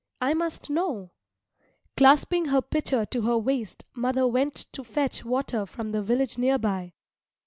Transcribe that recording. I must know. Clasping her pitcher to her waist mother went to fetch water from the village near by.